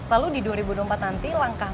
lalu di dua ribu dua puluh empat nanti langkah